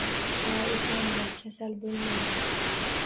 Ha eson bo’l, kasal bo’lmanglar...